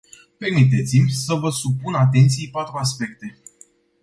Permiteți-mi să vă supun atenției patru aspecte.